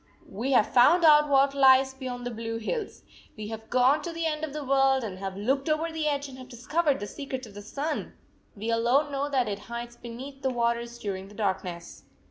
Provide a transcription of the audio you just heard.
We have found out what lies beyond the blue hills. We have gone to the end of the world and have looked over the edge, and have discovered the secret of the sun ! We alone know that it hides beneath the waters during the dark ness.